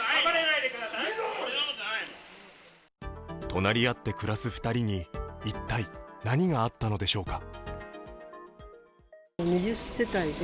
隣り合って暮らす２人に一体何があったのでしょうか。